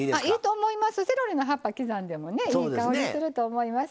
セロリの葉っぱ刻んでもねいい香りすると思います。